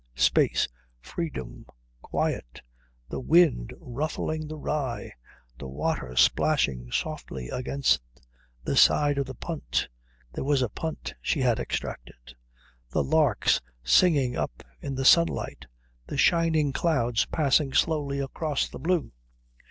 Space, freedom, quiet; the wind ruffling the rye; the water splashing softly against the side of the punt (there was a punt, she had extracted); the larks singing up in the sunlight; the shining clouds passing slowly across the blue.